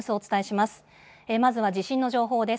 まずは地震の情報です。